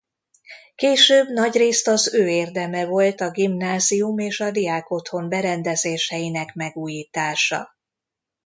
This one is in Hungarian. Később nagyrészt az ő érdeme volt a gimnázium és a diákotthon berendezéseinek megújítása.